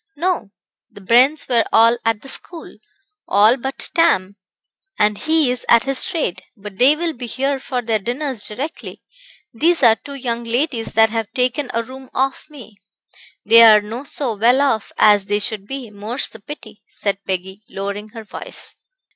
"No; the bairns are all at the school all but Tam and he's at his trade, but they will be here for their dinners directly. These are two young ladies that have taken a room off me. They are no so well off as they should be, more's the pity," said Peggy, lowering her voice.